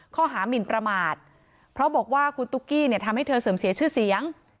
หมินประมาทเพราะบอกว่าคุณตุ๊กกี้เนี่ยทำให้เธอเสื่อมเสียชื่อเสียง